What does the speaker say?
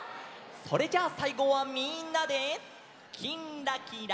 それじゃあさいごはみんなで「きんらきら」。